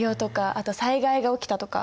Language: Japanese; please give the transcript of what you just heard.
あと災害が起きたとか。